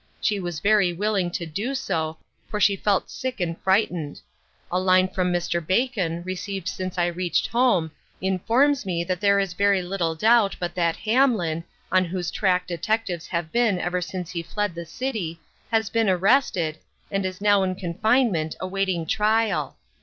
She was very willing to do so, for she felt sick and frightened. A line from Mr. Bacon, received since I reached home, .informs me that there is very little doubt but that Hamlin, on whose track detectives have been ever since he fled the city, has been arrested, and is now in confinement, awaiting trial.